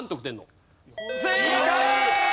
正解！